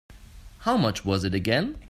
How much was it again?